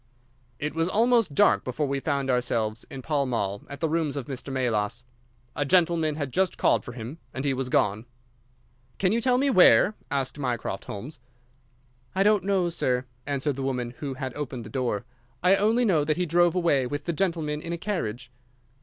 It was almost dark before we found ourselves in Pall Mall, at the rooms of Mr. Melas. A gentleman had just called for him, and he was gone. "Can you tell me where?" asked Mycroft Holmes. "I don't know, sir," answered the woman who had opened the door; "I only know that he drove away with the gentleman in a carriage."